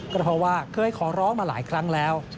ก็เพราะว่าเคยขอร้องมาหลายครั้งแล้ว